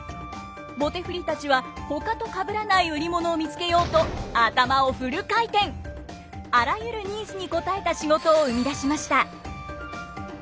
棒手振たちはほかとかぶらない売り物を見つけようとあらゆるニーズに応えた仕事を生み出しました。